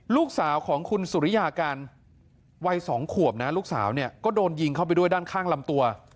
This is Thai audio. ลูกสาวของคุณสุริยาการใด๒ขวบก็โดนยิงเข้าไปด้านข้างลำตัว